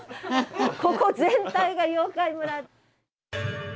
ここ全体が妖怪村。